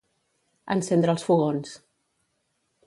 Encendre els fogons.